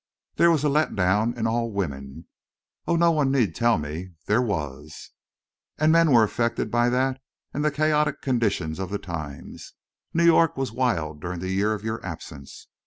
There was a let down in all women. Oh, no one need tell me! There was. And men were affected by that and the chaotic condition of the times. New York was wild during the year of your absence.